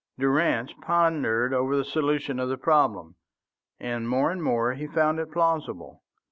Durrance pondered over the solution of the problem, and more and more he found it plausible.